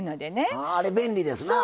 あああれ便利ですなあ。